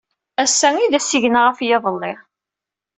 Assa i d asigna ɣef yiḍelli.